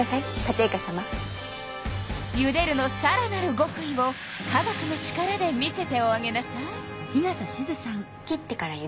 「ゆでる」のさらなるごくいを化学の力で見せておあげなさい。